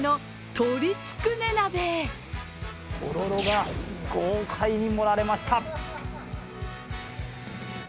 とろろが豪快に盛られました。